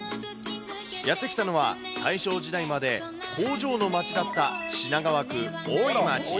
やって来たのは大正時代まで工場の街だった品川区大井町。